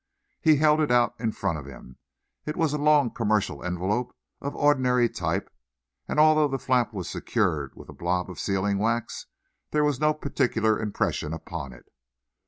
He held it out in front of him. It was a long commercial envelope of ordinary type, and although the flap was secured with a blob of sealing wax, there was no particular impression upon it.